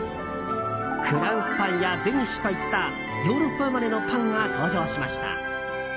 フランスパンやデニッシュといったヨーロッパ生まれのパンが登場しました。